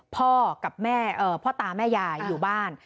พ่อกับแม่พ่อตาแม่ยายอยู่บ้าน